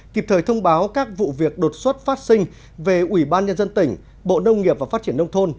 kịp thời thông báo các vụ việc đột xuất phát sinh về ủy ban nhân dân tỉnh bộ nông nghiệp và phát triển nông thôn